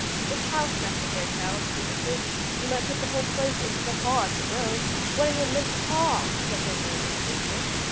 "This house, Master Fairchild," she answered; "you might put the whole place into the hall at The Grove." "What an immense hall!" said Henry in amazement.